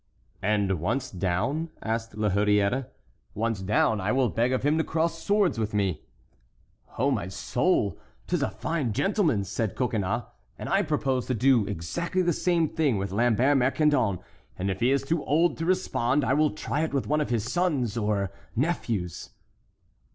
"And once down?" asked La Hurière. "Once down, I will beg of him to cross swords with me." "On my soul, 'tis a fine gentleman's," said Coconnas, "and I propose to do exactly the same thing with Lambert Mercandon; and if he is too old to respond, I will try it with one of his sons or nephews."